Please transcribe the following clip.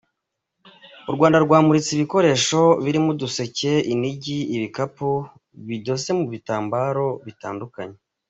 U Rwanda rwamuritse ibikoresho birimo uduseke, inigi, ibikapu bidoze mu bitambaro bitandukanye, ….